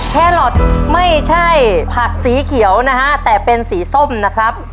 แครอทไม่ใช่ผักสีเขียวนะฮะแต่เป็นสีส้มนะครับ